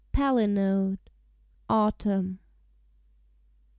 PALINODE. AUTUMN.